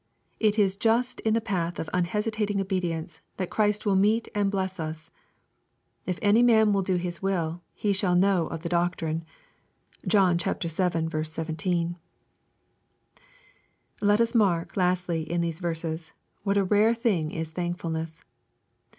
It is just in the path of unhesitating obedience that Christ will meet and bless us. " If any man will do His will hf» shall know of the doctrine." (John vii. 17.) Let us mark, lastly, in these verses, ivhat a rare thing is thankfulness.